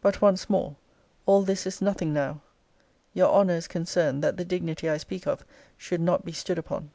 But once more, all this in nothing now: your honour is concerned that the dignity I speak of should not be stood upon.